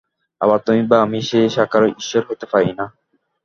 আবার তুমি বা আমি সেই সাকার ঈশ্বর হইতে পারি না।